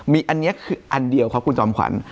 มีอันนี้คืออันเดียวครับคุณจอมขวัญ